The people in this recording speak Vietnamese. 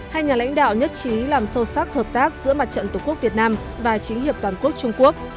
hai nhà lãnh đạo nhất trí làm sâu sắc hợp tác giữa mặt trận tổ quốc việt nam và chính hiệp toàn quốc trung quốc